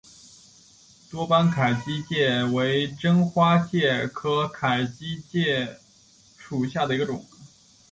多斑凯基介为真花介科凯基介属下的一个种。